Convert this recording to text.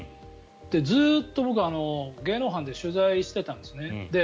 ずっと僕は芸能班で取材してたんですね。